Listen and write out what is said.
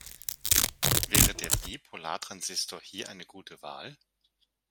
Wäre der Bipolartransistor hier eine gute Wahl?